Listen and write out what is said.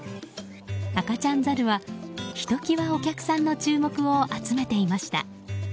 赤ちゃんザルはひと際お客さんの注目を集めていました。